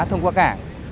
thông qua cảng